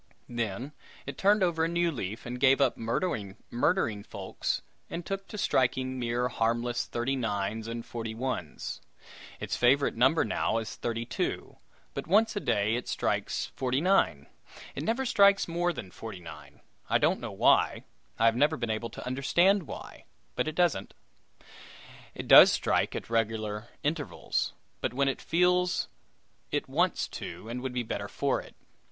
Then it turned over a new leaf, and gave up murdering folks, and took to striking mere harmless thirty nines and forty ones. Its favorite number now is thirty two, but once a day it strikes forty nine. It never strikes more than forty nine. I don't know why I have never been able to understand why but it doesn't. It does not strike at regular intervals, but when it feels it wants to and would be better for it.